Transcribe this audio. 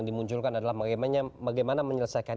dimunculkan adalah bagaimana menyelesaikan